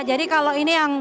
jadi kalau ini yang